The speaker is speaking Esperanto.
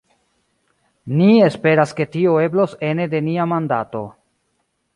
Ni esperas ke tio eblos ene de nia mandato.